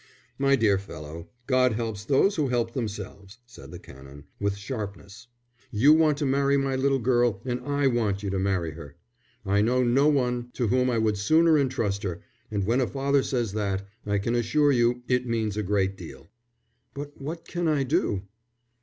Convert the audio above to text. "My dear fellow, God helps those who help themselves," said the Canon, with sharpness. "You want to marry my little girl and I want you to marry her. I know no one to whom I would sooner entrust her, and when a father says that, I can assure you it means a good deal." "But what can I do?"